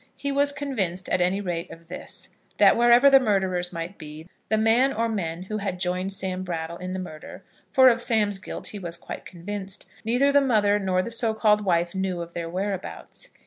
He was convinced, at any rate, of this; that wherever the murderers might be, the man or men who had joined Sam Brattle in the murder, for of Sam's guilt he was quite convinced, neither the mother, nor the so called wife knew of their whereabouts.